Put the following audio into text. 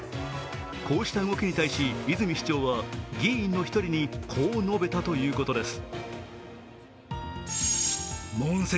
こうした動きに対し、泉市長は議員の一人にこう述べたということです。